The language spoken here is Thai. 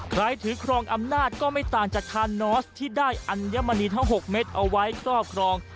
ใครถือครองอำนาจก็ไม่ต่างจากทานอสที่ได้อัญมณี๖เมตรเอาไว้กล้อครอง